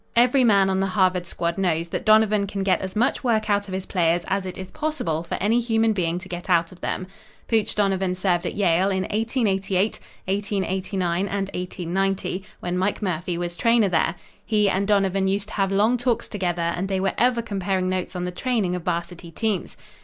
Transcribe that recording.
Every man on the Harvard squad knows that Donovan can get as much work out of his players as it is possible for any human being to get out of them. Pooch Donovan served at Yale in 1888, 1889 and 1890, when Mike Murphy was trainer there. He and Donovan used to have long talks together and they were ever comparing notes on the training of varsity teams.